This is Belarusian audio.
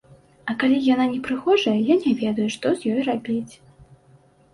А калі яна не прыгожая, я не ведаю, што з ёй рабіць.